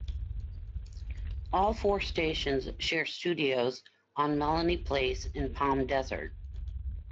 All four stations share studios on Melanie Place in Palm Desert.